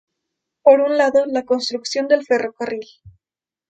Por un lado la construcción del ferrocarril.